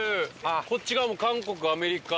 こっち側も韓国アメリカ。